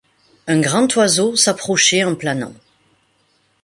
Un grand oiseau s’approchait en planant.